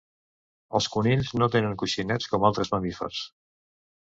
Els conills no tenen coixinets com altres mamífers.